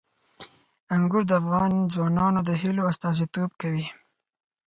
انګور د افغان ځوانانو د هیلو استازیتوب کوي.